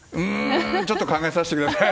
ちょっと考えさせてください。